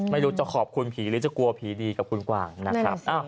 ไม่รู้จะขอบคุณผีหรือจะกลัวผีดีกับคุณกวางนะครับ